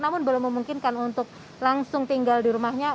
namun belum memungkinkan untuk langsung tinggal di rumahnya